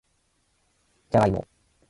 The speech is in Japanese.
じゃがいも